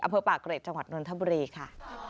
อำเภอปากเกร็ดจังหวัดนทบุรีค่ะ